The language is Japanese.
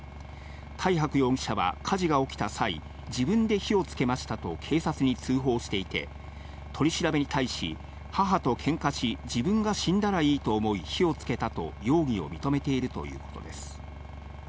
大白容疑者は火事が起きた際、自分で火をつけましたと、警察に通報していて、取り調べに対し、母とけんかし、自分が死んだらいいと思い、火をつけたと容疑を認めているということです。